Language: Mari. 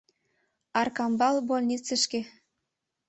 «Аркамбал больницышке...